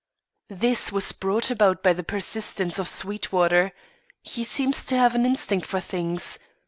"This was brought about by the persistence of Sweetwater. He seems to have an instinct for things.